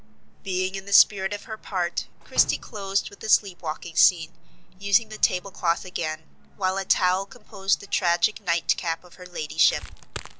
Being in the spirit of her part, Christie closed with the sleep walking scene, using the table cloth again, while a towel composed the tragic nightcap of her ladyship.